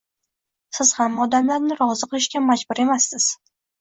Siz hamma odamlarni rozi qilishga majbur emassiz.